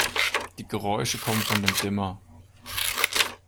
Die Geräusche kommen von dem Dimmer.